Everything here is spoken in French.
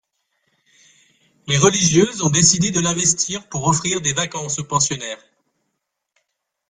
Les religieuses ont décidé de l'investir pour offrir des vacances aux pensionnaires.